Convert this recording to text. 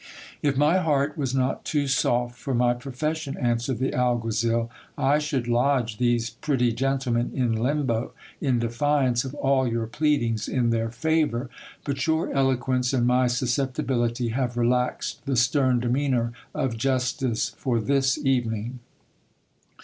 If my heart was not too soft for my profession, answered the alguazil, I should lodge these pretty gentlemen in limbo, in defiance of all your pleadings in their favour ; but your eloquence and my susceptibility have relaxed the stern demeanour of justice for this evening.